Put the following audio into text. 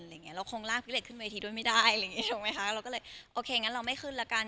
เราคงล่างพิเศษขึ้นเวทีด้วยไม่ได้เราก็เลยโอเคงั้นเราไม่ขึ้นแล้วกัน